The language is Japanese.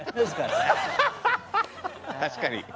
確かに。